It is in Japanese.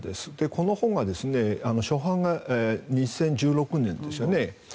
この本は初版は２０１６年ですよね。